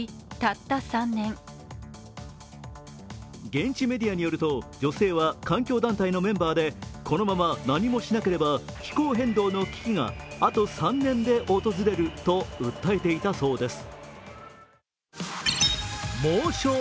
現地メディアによると、女性は環境団体のメンバーでこのまま何をしなければ気候変動の危機があと３年で訪れると訴えていたそうです。